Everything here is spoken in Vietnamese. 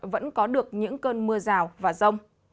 vẫn có được những cơn mưa rào và rông